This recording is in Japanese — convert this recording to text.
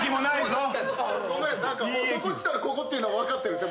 そこきたらここっていうの分かってる。